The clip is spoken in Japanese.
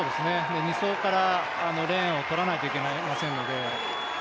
２走からレーンを取らないといけませんので。